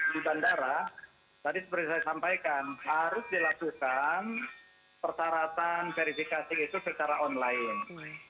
di bandara tadi seperti saya sampaikan harus dilakukan persyaratan verifikasi itu secara online